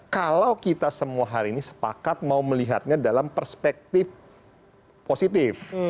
kalau kita semua hari ini sepakat mau melihatnya dalam perspektif positif